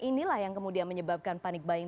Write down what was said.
inilah yang kemudian menyebabkan panic buying